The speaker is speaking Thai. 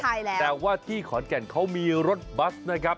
ใช่แล้วแต่ว่าที่ขอนแก่นเขามีรถบัสนะครับ